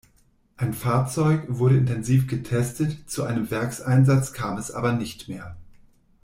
Ein Fahrzeug wurde intensiv getestet, zu einem Werkseinsatz kam es aber nicht mehr.